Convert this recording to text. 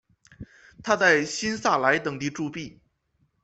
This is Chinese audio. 他在新萨莱等地铸币。